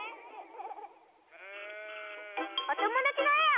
おともだちのえを。